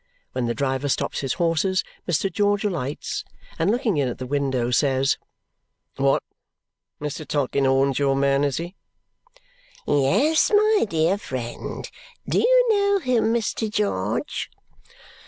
When the driver stops his horses, Mr. George alights, and looking in at the window, says, "What, Mr. Tulkinghorn's your man, is he?" "Yes, my dear friend. Do you know him, Mr. George?"